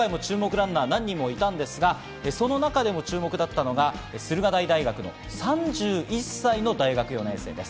今回も注目ランナー何人もいたんですが、その中でも注目だったのは駿河台大学の３１歳の大学４年生です。